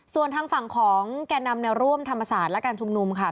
ส่วนทางฝั่งของแก่นำแนวร่วมธรรมศาสตร์และการชุมนุมค่ะ